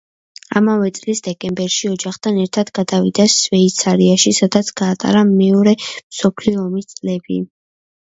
ამავე წლის დეკემბერში ოჯახთან ერთად გადავიდა შვეიცარიაში სადაც გაატარა მეორე მსოფლიო ომის წლები.